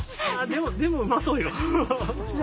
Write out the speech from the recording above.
でもうまそうよ。